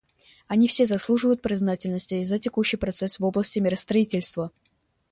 Они все заслуживают признательности за текущий прогресс в области миростроительства.